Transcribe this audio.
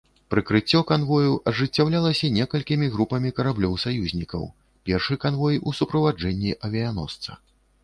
Прыкрыццё канвою ажыццяўлялася некалькімі групамі караблёў саюзнікаў, першы канвой у суправаджэнні авіяносца.